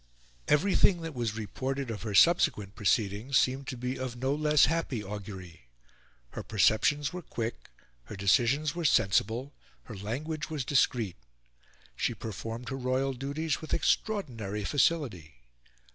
Everything that was reported of her subsequent proceedings seemed to be of no less happy augury. Her perceptions were quick, her decisions were sensible, her language was discreet; she performed her royal duties with extraordinary facility.